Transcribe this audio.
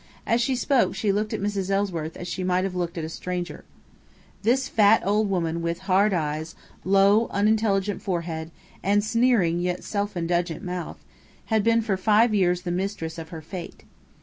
As she spoke she looked at Mrs. Ellsworth as she might have looked at a stranger. This fat old woman, with hard eyes, low, unintelligent forehead, and sneering yet self indulgent mouth, had been for five years the mistress of her fate.